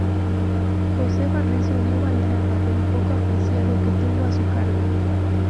Josefa Rizo dio valor al papel poco apreciado que tuvo a su cargo.